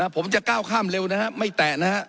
ผมจะก้าวข้ามเร็วนะครับไม่แตะนะครับ